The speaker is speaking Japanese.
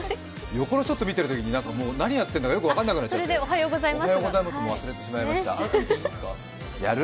横のショット見てるときに、何やってるか分からなくなっちゃった。